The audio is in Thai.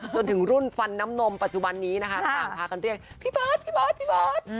จนถึงรุ่นฟันน้ำนมปัจจุบันนี้นะคะต่างพากันเรียกพี่เบิร์ดพี่เบิร์ดพี่เบิร์ต